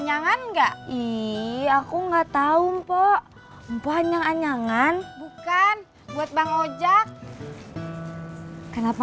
nyangan enggak iya aku enggak tahu mpok mpok nyangan nyangan bukan buat bang ojak kenapa